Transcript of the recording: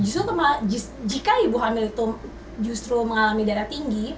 justru jika ibu hamil itu justru mengalami darah tinggi